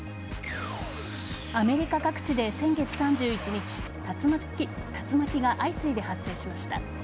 アメリカ各地で先月３１日竜巻が相次いで発生しました。